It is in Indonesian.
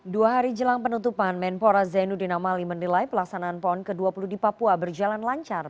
dua hari jelang penutupan menpora zainuddin amali menilai pelaksanaan pon ke dua puluh di papua berjalan lancar